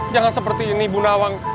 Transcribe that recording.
jangan seperti ini bu nawang